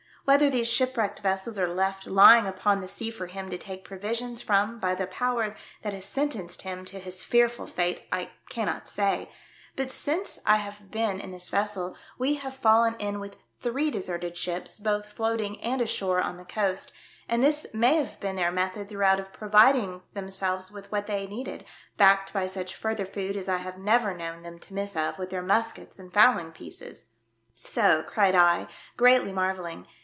Whether these shipwrecked vessels are left lying upon the sea for him to take provisions from by the Power that has sentenced him to his fearful fate I cannot say, but since I have been in I TALK WITH MISS IMOGENE DUDLEY. 1 43 this vessel we have fallen in with three deserted ships, both floating and ashore on the coast, and this may have been their method throughout of providing themselves with what they needed, backed by such further food as I have never known them to miss of with their muskets and fowling pieces." " So!" cried I, greatly marvelling.